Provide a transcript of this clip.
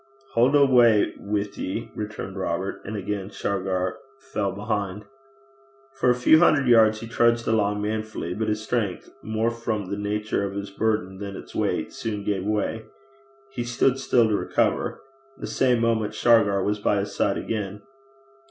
'Haud awa' wi' ye,' returned Robert; and again Shargar fell behind. For a few hundred yards he trudged along manfully; but his strength, more from the nature of his burden than its weight, soon gave way. He stood still to recover. The same moment Shargar was by his side again.